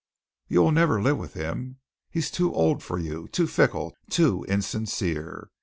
You will never live with him he is too old for you, too fickle, too insincere.